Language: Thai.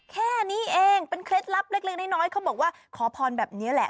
แค่นี้เองเป็นเคล็ดลับเล็กน้อยเขาบอกว่าขอพรแบบนี้แหละ